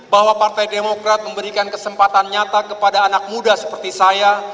bahwa partai demokrat memberikan kesempatan nyata kepada anak muda seperti saya